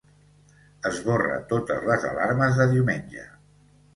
Esborra totes les alarmes de diumenge.